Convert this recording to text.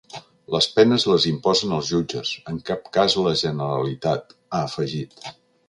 Les penes les imposen els jutges, en cap cas la Generalitat, ha afegit.